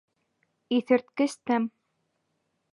Иҫерткес тәм.